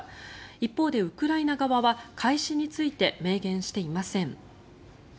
一方で、ウクライナ側は開始について明言していません。